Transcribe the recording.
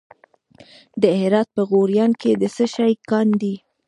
د هرات په غوریان کې د څه شي کان دی؟